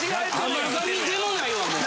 甘噛みでもないわもう！